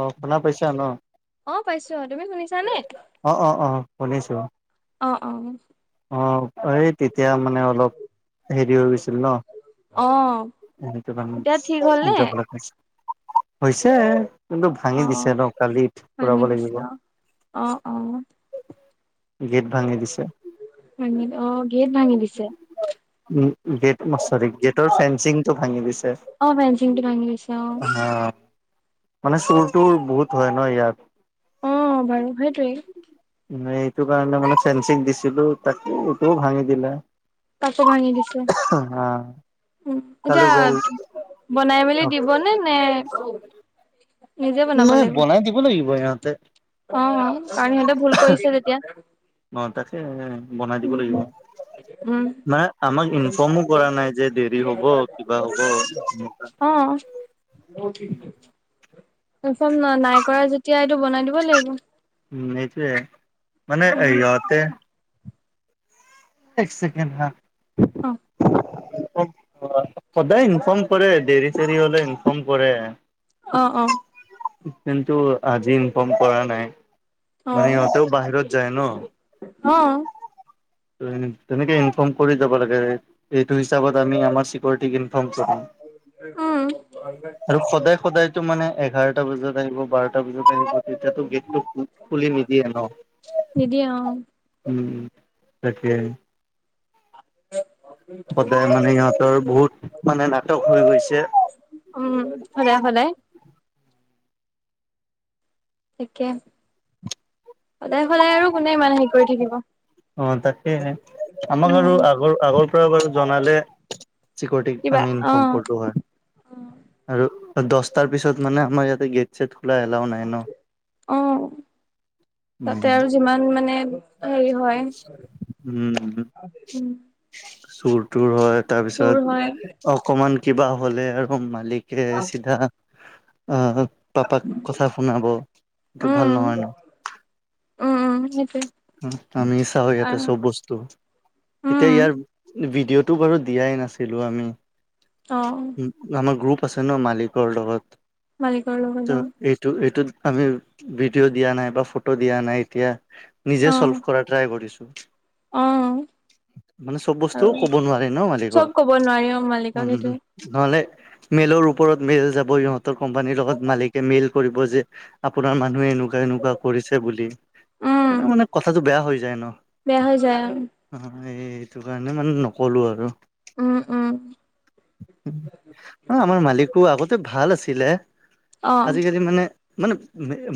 অঁ শুনা পাইছা ন। অঁ পাইছো তুমি শুনিছানে, অ অ অ অঁ অঁ। অঁ এই তেতিয়া মানে অলপ হেৰি হৈ গৈছিল ন। অঁ অঁ সেইটো কাৰণে জৱ এটা পাইছিল। হৈছে, কিন্তু অ ভাঙি দিছে নহ কালি উৰাব লাগিব। অহঁ অহঁ গেট ভাঙি দিছে ভাঙি অহ গেট ভাঙি দিছে উম গেট চৰি গেটৰ ফেনসিং টো ভাঙি দিছে। অ ফেন্সিংটো ভাঙি দিছে, অহ- অহঁ মানে চুৰটোৰ বহুত হয় নহ ইয়াত অ বাৰু সেইটোৱেই ম এইটো কাৰণে মানে ফেঞ্চিং দিছিলোঁ। তাত এইটোও ভাঙি দিলে কাঠো ভাঙি দিছে, হা উম কালি এতিয়া বেল বনাই মেলি দিব নে এহ নে নিজে নাই বনাই দিব লাগিব সিহঁতে অহ কাৰণ সিহঁতে ভুল কৰিছে যেতিয়া অহ, তাকেহে বনাই দিব লাগিব। উম উম মানে আমাক ইনফৰ্মো কৰা নাই যে দেৰি হ'ব, কিবা হ'ব অ ইনফৰ্ম নাই কৰা যেতিয়া এইটো বনাই দিব লাগিব। সেইটোৱে মানে উম ইহঁতে এক ছেকেণ্ড হা অহ সদায় ইনফৰ্ম কৰে দেৰি চেৰি হ'লে ইনফৰ্ম কৰে অ কিন্তু আজি ইনফৰ্ম কৰা নাই। মানে ইহঁতেও বাহিৰত যায় নহ অহ তেনেকে ইনফৰ্ম কৰি যাব লাগে। এইটো হিচাপত আমি আমাৰ চিকিউৰেটিক ইনফৰ্ম কৰি উম। আৰু সদায় সদায়তো মানে এঘাৰটা বজাত আহিব বাৰটা বজাত আহিব। তেতিয়াতো গেটটো খুলি নিদিয়ে নহ নিদিয়ে অ উ তাকে। [unintelligible] সদায় মানে ইহঁতৰ বহুত মানে নাটক হৈ গৈছে। উম সদায় সদায়। তাকে সদায় সদায় আৰু কোনে মানে অ' তাকেইহে আমাক উম আৰু আগৰ আগৰ পৰা বাৰু জনালে চিকৰিটিক কিবা আমি অ ইনফৰ্ম কৰিলোঁ হয়। আৰু দহটাৰ পিছত মানে আমাৰ ইয়াতে গেট গেট চেট খোলা এলাউ নাই ন অহ তাতে আৰু যিমান মানে হেৰি হয়, উম। চোৰ তুৰ হয় তাৰ চোৰ পিছত হয় অকমান কিবা হলে আৰু মালিক সেয়ে চিধা আ পাপাক কথা শুনাব এইটো ভাল উম নহয় ন' উম উম সেইটোয়ে। আমি‌ ‍ চাওঁ ইয়াতে চব বস্তু। এতিয়া উম ইয়াৰ ভিডিঅ'টো বাৰু দিয়াই নাছিলোঁ আমি। অ' আমাৰ গ্ৰুপ আছে নহ মালিকৰ লগত। মালিকৰ লগত টো অ এইটোত আমি ভিডিঅ' দিয়া নাই বা ফটো দিয়া নাই এতিয়া নিজে চল্ভ অ কৰা ট্ৰাই কৰিছোঁ। অ মানে চব আৰু বস্তুও কব নোৱাৰে ন চব মালিকৰ কব নোৱাৰি অ মালিকক সেইটোৱে উম নহ'লে মেইলৰ ওপৰত মেইল যাব ইহঁতৰ কোম্পানীৰ লগত মালিকে মেইল। কৰিব যে আপোনাৰ মানুহে এনেকোৱা এনেকোৱা কৰিছে বুলি। উম তেতিয়া মানে কথাটো বেয়া হৈ যায় ন' বেয়া হৈ যায় অ' এইটো কাৰণে মানে নকলো আৰু উম -উম আমাৰ মালিকো আগতে ভাল আছিলে। অ আজিকালি মানে মানে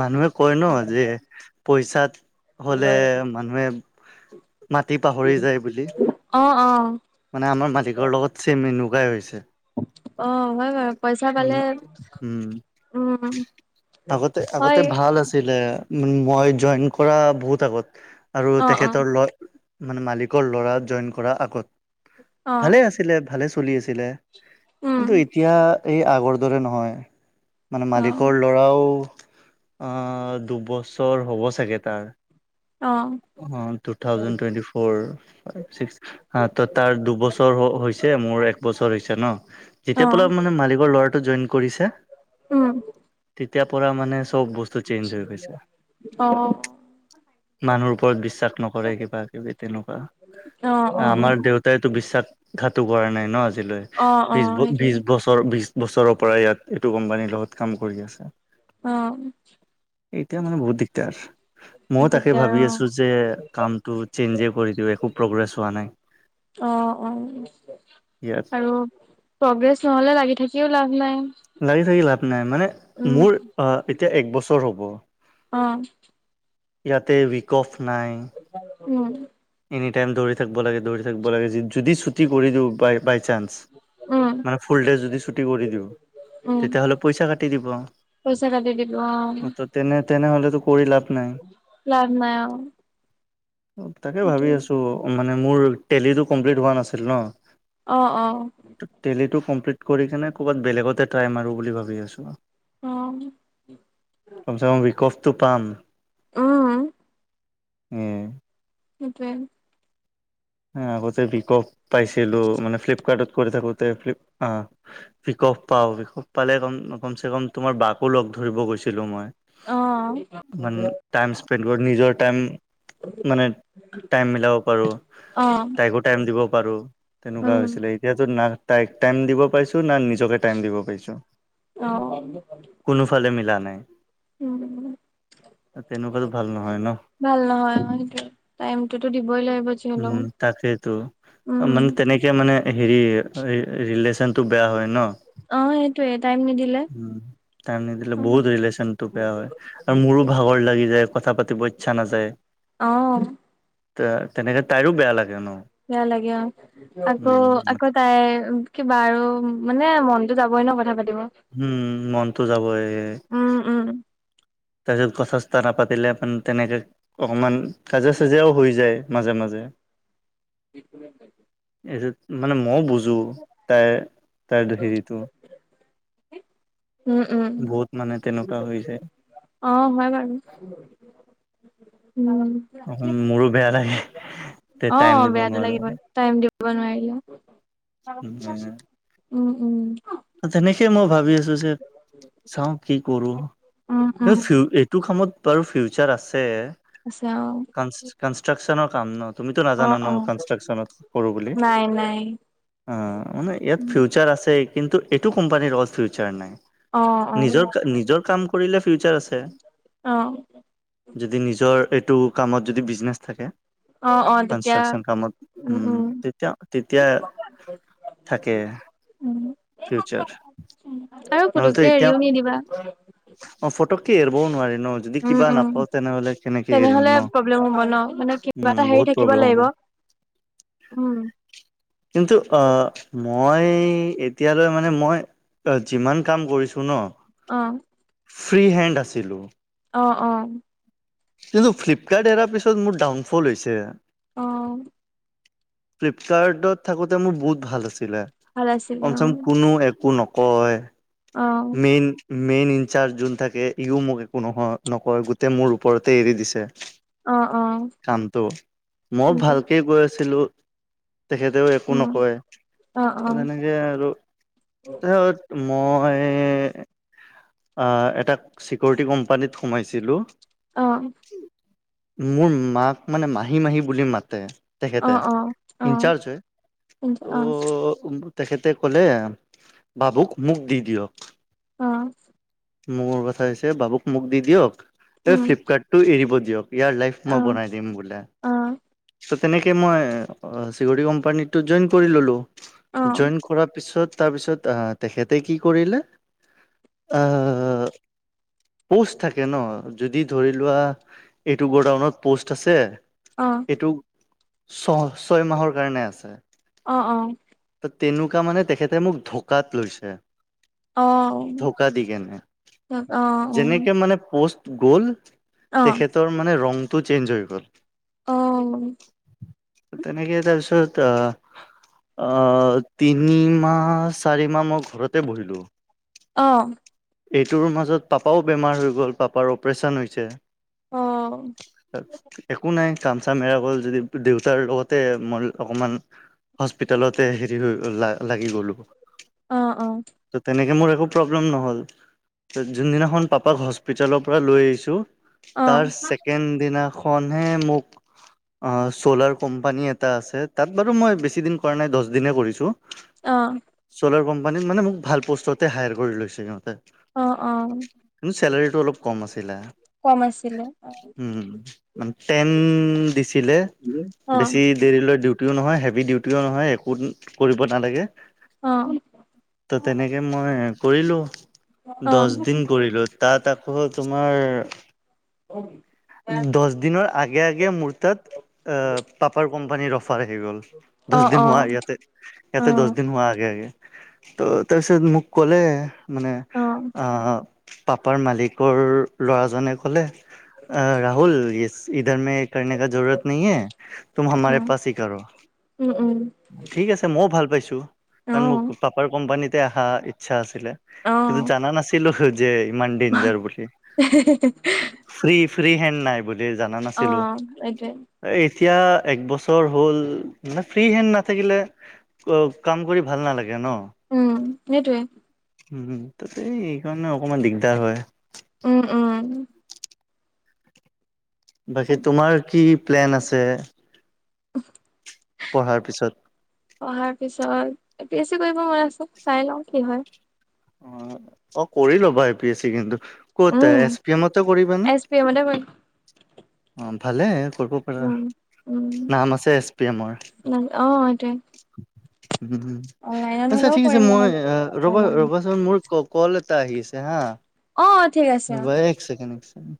মানুহে কয় ন যে পইচাত। হ'লে মানুহে মাটি পাহৰি যায় বুলি। অ' অ' মানে আমাৰ মালিকৰ লগত চেম এনেকোৱাই হৈছে। অ' হয় হয় পইচা পালে মানে উম, উম। আগতে আগতে হয় ভাল আছিলে। ওম মই জইন কৰা বহুত আগত আৰু অ', অ', তেখেতৰ লগত মানে মালিকৰ ল'ৰা জইন কৰাৰ আগত অ', ভালে আছিলে ভালে চলি আছিলে। কিন্তু উম, এতিয়া এই আগৰ দৰে নহয়। মানে অ', মালিকৰ ল'ৰাও আহ, দুবছৰ হ'ব চাগে তাৰ। অ, টু থাউজেণ টুৱেণ্টি ফ'ৰ অ, ত তাৰ দুবছৰ হৈছে মোৰ এক বছৰ হৈছে ন। যেতিয়া অ', পলা মানে মালিকৰ ল'ৰাটো জইন কৰিছে। উম, তেতিয়াৰ পৰা মানে চব বস্তু চেঞ্জ হৈ গৈছে। অহ, মানুহৰ ওপৰত বিশ্বাস নকৰে কিবা কিবি তেনেকোৱা, অ', আমাৰ অ', দেউতা তো বিশ্বাসঘাটো কৰা নাই ন ল, আজিলৈ অ', বিশ-বিশ বছৰ, বছৰ, বিশ বছৰৰ পৰা ইয়াত এইটো কোম্পানীৰ লগত কাম কৰি আছে। অ', সেইটোৱে অ', এতিয়া মানে বহুত দিকদাৰ। মই তাকে দিগদাৰ ভাবি আছো যে কামটো চেঞ্জে কৰি দিওঁ একো প্ৰগ্ৰেছ হোৱা নাই। অ', অ', ইয়াত আৰু প্ৰগ্ৰেছ নহলে লাগি থাকিও লাভ নাই। লাগি থাকি লাভ নাই মানে উম, মোৰ অ, এতিয়া এক বছৰ হ'ব। অ', ইয়াতে উৱিক অফ নাই। উম, এনি টাইম দৌৰি থাকিব লাগে, দৌৰি থাকিব লাগে, য যদি ছুটি কৰি দিওঁ বাই-বাই চান্স। উম, মানে ফুল ডে যদি ছুটি কৰি দিওঁ উম, তেতিয়াহ'লে পইচা কাটি দিব। পইচা কাটি দিব অ', ত তেনে তেনেহলেতো কৰি লাভ নাই। লাভ নাই। অ', তাকে ভাবি সেইটোৱে আছো মানে মোৰ টেলিটো কমপ্লিট হোৱা নাছিল ন। অ, অ, টেলিটো কমপ্লিট কৰি কিনে ক'ৰবাত বেলেগতে ট্ৰাই মাৰো বুলি ভাবি আছোঁ আৰু। অ', কমচেকম উইকফটো পাম। উম, উম, সেইটোৱে। অ, আগতে ভিক অফ পাইছিলো মানে ফ্লিপকাৰ্টত কৰি থাকোতে। অহ, উইক অফ, পাওঁ উইক অফ পালে কমচে কম তোমাৰ বাকো লগ ধৰিব গৈছিলো মই। অ', মান টাইম স্পেণ্ড কৰোঁ নিজৰ টাইম। মানে টাইম মিলাব পাৰোঁ, অ', তাইকো টাইম দিব পাৰোঁ তেনেকুৱা উম, হৈছিলে। এতিয়াতো না তাইক টাইম দিব পাইছো, না নিজকে টাইম দিব পাৰিছো। অ', কোনোফালে মিলা নাই উম তেনেকুৱাতো ভাল নহয় ন। ভাল নহয় হয়টো টাইমটোতো দিবই লাগিব। যি উম, হলেও তাকেইতো উম মানে তেনেকে এতিয়া মানে হেৰি ৰিলেচন টো বেয়া হয় ন। অ সেইটোয়ে টাইম নিদিলে উম, টাইম নিদিলে বহুত ৰিলেচনটো বেয়া হয়, আৰু মোৰো ভাগৰ লাগি যায়, কথা পাতিব ইচ্ছা নাযায়। অহ, তে তেনেকে তাইৰো বেয়া লাগে ন। বেয়া লাগে অ, উম আকৌ-আকৌ। তাই কিবা আৰু বাৰ মানে মনতো যাবই ন কথা পাতিব। উম, মনটো যাব। উম উম তাৰপিছত কথা চ্তা নাপাতিলে অকমান তেনেকে অকণমান কাজিয়া চাজিয়াও হৈ যায় মাজে-মাজে, এইটো মানে মইও বুজোঁ তাইৰ তাইৰ হেৰিটো। উম উম। বহুত মানে তেনেকুৱা হৈ যায় অ হয় বাৰু, উম। অক মোৰো বেয়া লাগে। তে অ টাইম দিব বেয়াতো নোৱাৰো লাগিবই। টাইম দিব নোৱাৰিলে, উম উম। তেনেকে মই ভাবি আছো যে চাওঁ কি কৰো? উম এ উম ফিও এ টো কামত টৰ ফিউচাৰ আছে। আছেও। কানচ কানষ্ট্ৰাকশ্যনৰ কাম ন তুমিতো অ নাজানানো অ কানষ্ট্ৰাকশ্যনত কৰোঁ বুলি। নাই নাই অ মানে ইয়াত ফিউচাৰ আছে কিন্তু এইটো কোম্পানীৰ লগত ফিউচাৰ নাই। অ অ নিজৰ কা নিজৰ কাম কৰিলে ফিউচাৰ আছে। অ যদি নিজৰ এইটো কামত যদি বিজনেছ থাকে। অ অ তেতিয়া কানষ্ট্ৰকচন কামত উম তেতিয়া তেতিয়া থাকে। উম। ফিউচাৰ। আৰু নহ'লেতো পুতোকে এতিয়া এৰিও নিদিবা। অ ফটকে এৰব নোৱাৰি ন? যদি উম, কিবা উম, নাপাওঁ তেনেহলে কেনেকে এৰিম তেনেহলে ন? প্ৰব্লেম হ'ব ন মানে কিবা উম এটা হেৰি বহুত থাকিব প্ৰব্লেম হব। লাগিব। উম। কিন্তু আ মই এতিয়ালৈ মানে মই যিমান কাম কৰিছোঁ ন অ। ফ্ৰী হেণ্ড আছিলো। অ অ। কিন্তু ফ্লিপকাৰ্ট এৰাৰ পিছত মোৰ ডাউনফল হৈছে। অঁ। ফ্লিপকাৰ্টত থাকোতে মোৰ বহুত ভাল আছিলে, ভাল আছিলে কম চেকম অ', কোনো একো নকয়। অ। মেইন মেইন ইনচাৰ্জ যোন থাকে ইও মোক একো নহয় নকয়, গোটেই মোৰ ওপৰতে এৰি দিছে। অ', অ', কামটো, মই কিন্তু ভালকে কৈ আছিলো তেখেতেও একো উম, নকয়, অ', অ', তেনেকে আৰু তেহ মই এ আ এটা চিকটি কোম্পানীত সোমাইছিলো। অ। মোৰ মাক মানে মাহী - মাহী বুলি মাতে। তেখেতে অ', অ', অ', ইনচাৰ্জ হয়, কিন্তু অ', ত' তেখেতে ক'লে, বাবুক মোক দি দিয়ক। অঁ। মোৰ কথা হৈছে বাবুক মোক দি দিয়ক, তে উম, ফ্লিপকাৰ্টটো এৰিব দিয়ক, ইয়াৰ লাইফ মই অ', বনাই দিম বোলে। অ', ত' তেনেকৈ মই অ চিকৰিটি কোম্পানীটো জইন কৰি ল'লোঁ। অ', জইন কৰ পিছত, তাৰ পিছত আহ তেখেতে কি কৰিলে আহ, পোষ্ট থাকে ন যদি ধৰি লোৱা এইটো গ' ডাউনত প'ষ্ট আছে অঁ। এইটো ছ - ছয় মাহৰ কাৰণে আছে। অঁ অঁ। ত' তেনেকুৱা মানে তেখেতে মোক ধকাত লৈছে। অ', অ', ধকা দি কেনে, অ', অ', অ', অ', অ', অ', অ', অ', যেনেকে মানে পষ্ট গ'ল তেখেতৰ মানে ৰংটো চেঞ্জ হৈ গ'ল। অ' তেনেকে তাৰপিছত আহ। অ' তিনি মাহ চাৰি মাহ মই ঘৰতে বহিলো। অ' এইটোৰ মাজত পাপাও বেমাৰ হৈ গ'ল, পাপাৰ অপাৰেচন হৈছে। অ' একো নাই কামচাম হেৰাই গ'ল যদি দেউতাৰ লগতে মই অকমান। হস্পিতেলত হেৰি হৈ লাগি গ'লো। অ', ত' তেনেকৈ মোৰ একো প্ৰব্লেম নহ'ল। যোনদিনাখন পাপাক হস্পিতালৰ পৰা লৈ আহিছো তাৰ চেক। চেকেনদিনাখনহে মোক। চ'লাৰ কোম্পানী এটা আছে তাত বাৰু মই বেছি দিন কৰা নাই কৰিছো। অ' ছ'লাৰ কোম্পানীত মানে মোক ভাল প'ষ্টতে হায়াৰ কৰি লৈছে সিহঁতে। অ', অ', কিন্তু চেলাৰীটো অলপ কম আছিলে। কম আছিলে। উম, মানে টেন দিছিলে। অ', বেছি দেৰিলৈ ডিউটিও নহয় হেভি ডিউটিও নহয় একো কৰিব নালাগে। অ', ত' তেনেকে মই কৰিলো। অ', দহ দিন অ', কৰিলোঁ তাত আকৌ তোমাৰ। অ' দহ দিনৰ আগে আগে মোৰ তাত পাপাৰ কোম্পানী ৰখ। অফাৰ আহি গ'ল দহ অ', দিন হোৱা অ', ইয়াতে। ইয়াতে দহ অ', দিন হোৱা আগে আগে, ত তাৰপিছত মোক কলে মানে। অ', আহ পাপাৰ মালিকৰ ল'ৰাজনে ক'লে আহ ৰাহুল ইছ। ইধৰ মে এক কৰ্নেকা জৰুৰত নাহিহে তুম হামাৰাৰে পাছহি কৰো উম, উম, ঠিক আছে। মইও ভাল পাইছো কাৰণ মোক অ', পাপাৰ কোম্পানীতে অহা ইচ্ছা আছিলে। কিন্তু অ' জানা নাছিলো যে ইমানঞ্জাৰ বুলি ফ্ৰী হেন নাই। জনা নাছিলো। অ', এইটোৱে এতিয়া একবছৰ হ'ল মানে ফ্ৰী হেণ্ড নাথাকিলে। অ' কাম কৰি ভাল নালাগে ন। উম সেইটোৱে। উম, উম তাতে এইকাৰণে অকমান দিগ্‌দাৰ হ'য়। অ ' অ ' বাকি তোমাৰ কি কি প্লেন আছে? [unintelligible] পঢ়াৰ পিছত। পঢ়াৰ পিছত এ পি এছ চি কৰিব মন আছে। চাই লওঁ কি হ'য়। অ', অ কৰি ল'বা এ পি এছ চি কিন্তু ক'ত উম, এছ পি এমতে কৰিবানে? এছ পি এমতে কৰিম। অ', ভালে কৰিব কৰিবা উম, উম, নাম আছে এছ পি এমৰ। অ', সেইটোৱে অনলাইনত উম--আচ্ছা হ'লেও ঠিক আছে। কৰিম মানে মই যদি ৰ'বা অফলাইনত ৰ'বা চোন মোৰ- কওক কল এটা আহিছে হাঁ। অ', ঠিক আছে অ'। ৰ'বা এক ছেকেণ্ড, এক ছেকেণ্ড।